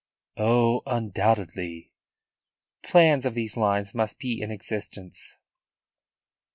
"Oh, undoubtedly." "Plans of these lines must be in existence."